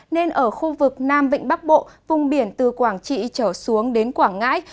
nên ở khu vực nam vịnh bắc bộ vùng biển từ quảng trị trở xuống đến quảng ngãi